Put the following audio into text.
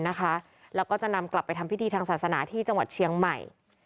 แล้วก็จะนำกลับไปทำพิธีทางศาสนาที่จังหวัดเชียงใหม่